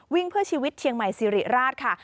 วิ่งเพื่อชีวิตเทียงใหม่ซีริราชค่ะ